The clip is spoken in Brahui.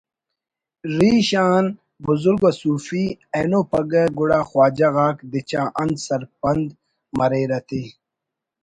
ریش آن بزرگ و صوفی (اینو پگہ گڑا خواجہ غاک دیچا انت سرپند مریرہ تے)